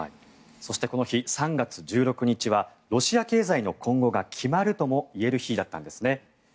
そしてこの日、３月１６日はロシア経済の今後が決まるともいえる日だったんですね。